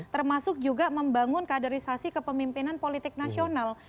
termasuk juga membangun kaderisasi kepemimpinan politik nasional